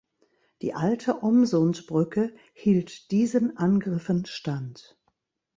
Die alte Omsund-Brücke hielt diesen Angriffen stand.